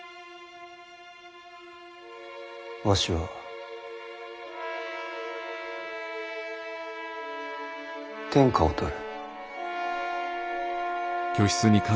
わしは天下を取る。